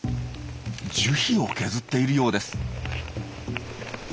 樹皮を削っているようです。